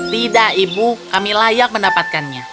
tidak ibu kami layak mendapatkannya